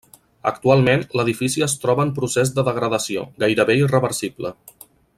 Actualment l'edifici es troba en procés de degradació, gairebé irreversible.